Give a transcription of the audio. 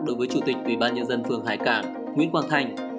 đối với chủ tịch ủy ban nhân dân phường hải cảng nguyễn quang thành